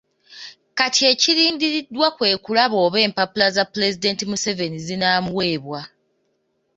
Kati ekirindiriddwa kwe kulaba oba empapula za Pulezidenti Museveni zinaamuweebwa.